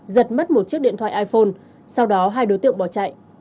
giật mất một chiếc điện thoại iphone sau đó hai đối tượng bỏ chạy